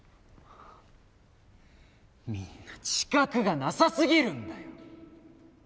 みんな自覚がなさすぎるんだよ！